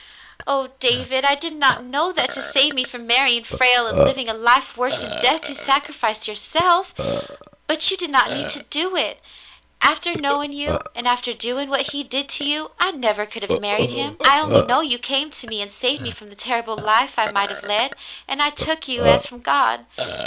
"Oh, David ! I did not know that to save me from marrying Frale and living a life worse than death you sacrificed yourself. But you did not need to do it. After knowing you and after doing what he did to you, I 292 The Mountain Girl never could have married him. I only knew you came to me and saved me from the terrible life I might have led, and I took you as from God.